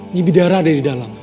nyibi dara ada di dalam